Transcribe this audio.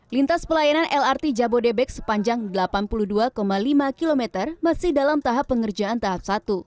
lintas pelayanan lrt jabodebek sepanjang delapan puluh dua lima km masih dalam tahap pengerjaan tahap satu